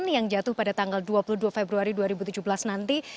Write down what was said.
yang jatuh pada tanggal dua puluh dua februari dua ribu tujuh belas nanti